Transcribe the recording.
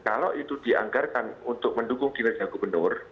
kalau itu dianggarkan untuk mendukung kinerja gubernur